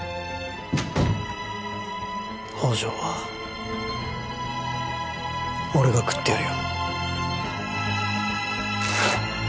宝条は俺が喰ってやるよ